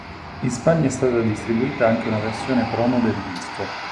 In Spagna è stata distribuita anche una versione promo del disco.